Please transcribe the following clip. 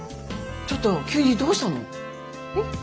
ちょっと急にどうしたの？